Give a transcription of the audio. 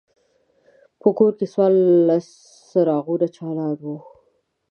په کور کې څوارلس څراغونه چالان وو.